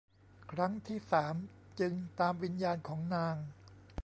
ครั้งที่สามจึงตามวิญญาณของนาง